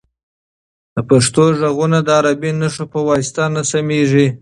د پښتو غږونه د عربي نښو په واسطه نه سمیږي.